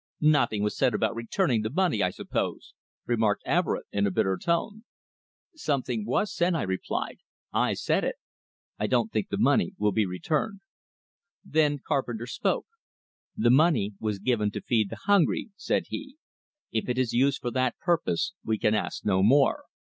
"Nothing was said about returning the money, I suppose?" remarked Everett, in a bitter tone. "Something was said," I replied. "I said it. I don't think the money will be returned." Then Carpenter spoke. "The money was given to feed the hungry," said he. "If it is used for that purpose, we can ask no more.